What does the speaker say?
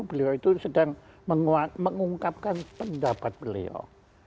beliau itu sedang mengungkapkan pendapat beliau